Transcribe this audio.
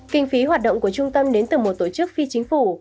kinh phí hoạt động của trung tâm đến từ một tổ chức phi chính phủ